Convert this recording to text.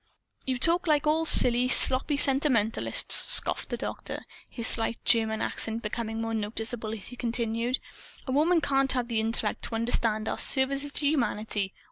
"You talk like all silly, sloppy sentimentalists!" scoffed the Doctor, his slight German accent becoming more noticeable as he continued: "A woman can't have the intellect to understand our services to humanity.